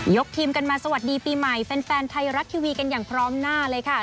ทีมกันมาสวัสดีปีใหม่แฟนไทยรัฐทีวีกันอย่างพร้อมหน้าเลยค่ะ